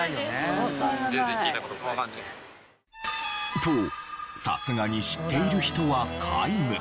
とさすがに知っている人は皆無。